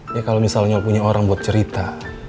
ya kalau misalnya punya orang buat cerita